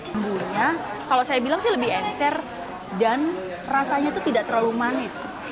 bumbunya kalau saya bilang sih lebih encer dan rasanya itu tidak terlalu manis